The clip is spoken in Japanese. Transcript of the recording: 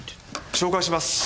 紹介します。